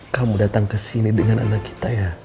kamu datang kesini dengan anak kita ya